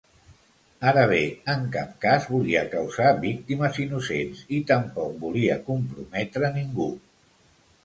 Ara bé, en cap cas volia causar víctimes innocents i tampoc volia comprometre ningú.